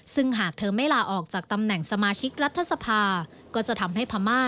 ซึ่งหากเธอไม่ลาออกจากตำแหน่งสมาชิกรัฐสภาก็จะทำให้พม่า